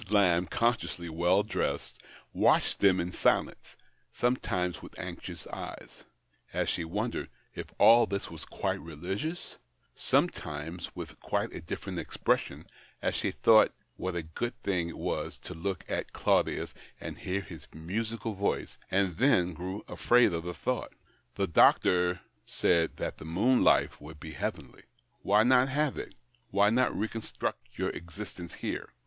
Lamb, consciously well dressed, watched them in silence, sometimes with anxious eyes, as she wondered if all this was quite religious, some times with quite a different expression as she thouo; ht what a o ood thine^ it was to look at Claudius and hear his musical voice, and then oTcw afraid of the thouojht. The doctor said that the moondife would be heavenly. " Why not have it ? Why not reconstruct your existence here